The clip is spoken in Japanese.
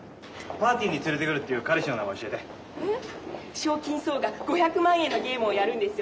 賞金総額５００万円のゲームをやるんですよ。